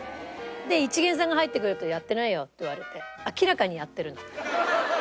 でいちげんさんが入ってくると「やってないよ」って言われて明らかにやってるの。